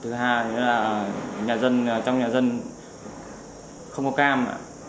thứ hai là không có cam